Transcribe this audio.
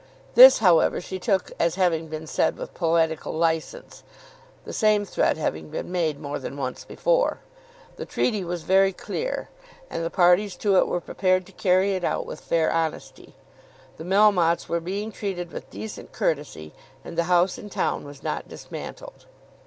This, however, she took as having been said with poetical licence, the same threat having been made more than once before. The treaty was very clear, and the parties to it were prepared to carry it out with fair honesty. The Melmottes were being treated with decent courtesy, and the house in town was not dismantled.